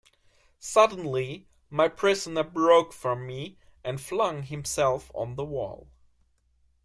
Suddenly my prisoner broke from me and flung himself on the wall.